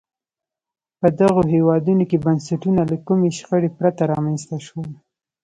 په دغو هېوادونو کې بنسټونه له کومې شخړې پرته رامنځته شول.